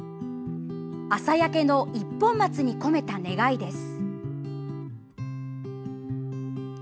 朝焼けの一本松に込めた願いです。